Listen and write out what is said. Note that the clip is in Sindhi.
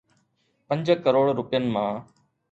پنج ڪروڙ روپين مان